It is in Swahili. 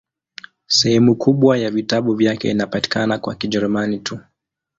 Sehemu kubwa ya vitabu vyake inapatikana kwa Kijerumani tu.